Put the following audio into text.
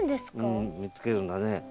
うん見つけるんだね。